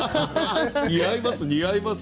似合います